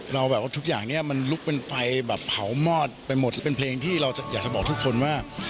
เราแบบว่าทุกอย่างเนี่ยมันลุกเป็นไฟแบบเผามอดไปหมดเป็นเพลงที่เราอยากจะบอกทุกคนว่า